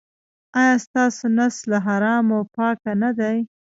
ایا ستاسو نس له حرامو پاک نه دی؟